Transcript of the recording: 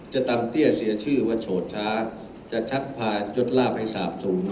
จะตำเตี้ยเสียชื่อว่าโฉดช้าจะชักพาชดลาบให้สาบสุ่ม